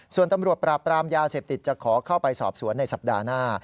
ส่วนตำรวจปราบปรามยาเสพติดจะขอเข้าไปสอบสวนในสัปดาห์หน้า